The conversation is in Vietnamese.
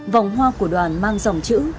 vòng hoa của đoàn mang dòng chữ